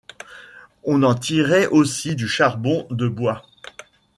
On en tirait aussi du charbon de bois.